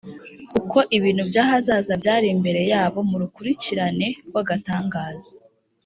. Uko ibintu by’ahazaza byari imbere yabo mu rukurikirane rw’agatangaza